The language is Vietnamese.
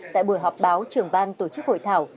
tại buổi họp báo trưởng ban tổ chức hội thảo